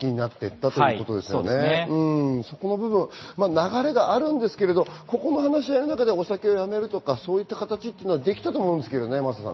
流れがあるんですがここの話し合いの中でお酒をやめるとか、そういう形できたと思うんですよね。